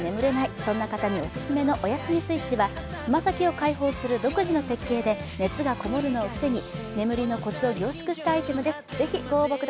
そんな方にオススメのおやすみスイッチは爪先を開放する独自の設計で熱がこもるのを防ぎ眠りのコツを凝縮したアイテムです。